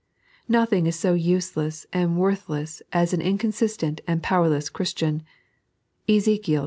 Nothing is so useless and worthless as an inconsistent and powerless Christian (Ezek.